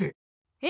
え？